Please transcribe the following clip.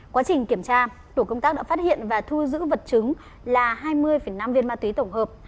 quá trình kiểm tra tổ công tác đã phát hiện và thu giữ vật chứng là hai mươi năm viên ma túy tổng hợp